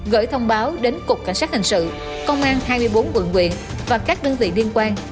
gửi thông báo đến cục cảnh sát hình sự công an hai mươi bốn quận quyện và các đơn vị liên quan